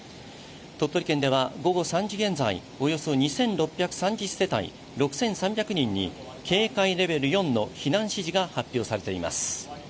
鳥取県では午後３時現在、およそ２６３０世帯６３００人に警戒レベル４の避難指示が発令されています。